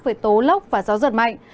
với tố lốc và gió giật mạnh